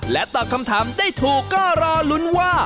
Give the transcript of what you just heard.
ตอบคำถามได้ถูกก็รอลุ้นว่า